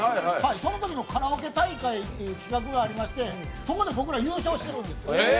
そのときのカラオケ大会という企画がありまして、そこで僕ら優勝してるんですよ。